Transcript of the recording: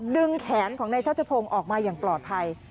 ดึงแขนของในชัดชะพงออกมายังปลอดภัย